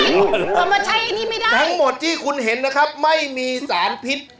เอามาใช้อันนี้ไม่ได้ทั้งหมดที่คุณเห็นนะครับไม่มีสารพิษ